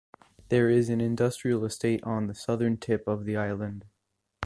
There is an industrial estate on the southern tip of the island.